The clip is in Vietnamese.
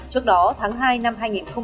trước đó tháng hai năm hai nghìn hai mươi